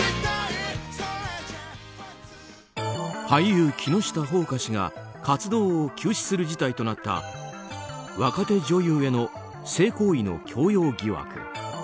俳優・木下ほうか氏が活動を休止する事態となった若手女優への性行為の強要疑惑。